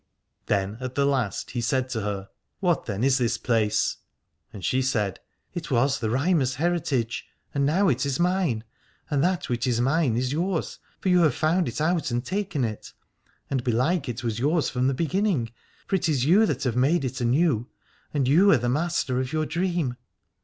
Then at the last he said to her : What then is this place ? And she said : It was the Rhymer's heritage, and now is mine ; and that which is mine is yours, for you have found it out and taken it. And belike it was yours from the beginning, for it is you that have made it anew, and you are the master of your dream.